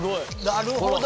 なるほど！